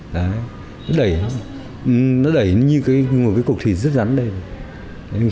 đấy nó đẩy như một cục thịt rứt rắn đây